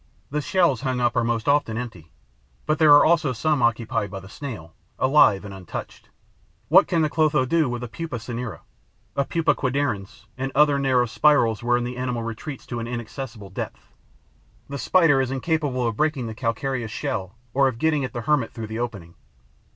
The shells hung up are most often empty; but there are also some occupied by the Snail, alive and untouched. What can the Clotho do with a Pupa cinerea, a Pupa quadridens and other narrow spirals wherein the animal retreats to an inaccessible depth? The Spider is incapable of breaking the calcareous shell or of getting at the hermit through the opening.